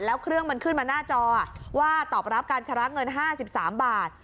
แล้วเครื่องมันขึ้นมาหน้าจอว่าตอบรับการชำระเงิน๕๓บาท